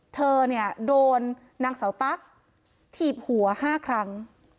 เธอเนี่ยโดนนางเสาตั๊กถีบหัว๕ครั้ง